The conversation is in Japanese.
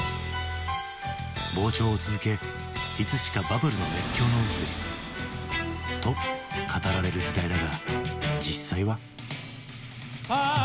膨張を続けいつしかバブルの熱狂の渦へと語られる時代だが実際は？